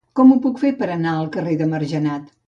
Com ho puc fer per anar al carrer de Margenat?